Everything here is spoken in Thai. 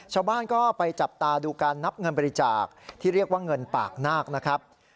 ชาวบ้านก็ไปจับตาดูการนับเงินบริจาคที่เรียกว่าเงินปากนาคนะครับ